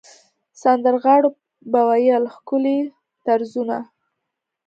سندرغاړو به ویل ښکلي طرزونه.